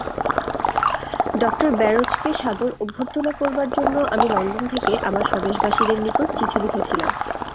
Doctor ব্যারোজকে সাদর অভ্যর্থনা করবার জন্য আমি লণ্ডন থেকে আমার স্বদেশবাসীদের নিকট চিঠি লিখেছিলাম।